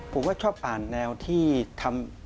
ผมก็ชอบอ่านแนวที่ทำ